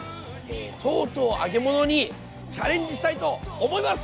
とうとう揚げ物にチャレンジしたいと思います！